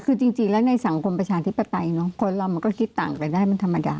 คือจริงแล้วในสังคมประชาธิปไตยเนอะคนเรามันก็คิดต่างไปได้มันธรรมดา